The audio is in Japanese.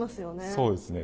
そうですね。